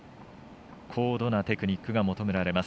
高度なテクニックが求められます。